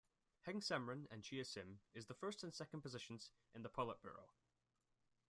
Heng Samrin and Chea Sim is the first and second positions in the Politburo.